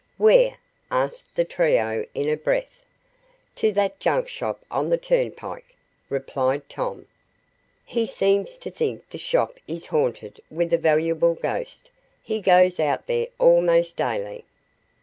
"Where?" asked the trio in a breath. "To that junk shop on the turnpike," replied Tom. "He seems to think the shop is haunted with a valuable ghost. He goes out there almost daily."